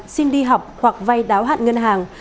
xin đi học hoặc vay đáo hạn ngân hàng